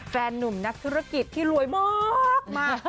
นุ่มนักธุรกิจที่รวยมาก